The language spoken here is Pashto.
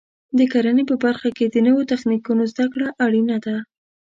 د کرنې په برخه کې د نوو تخنیکونو زده کړه اړینه ده.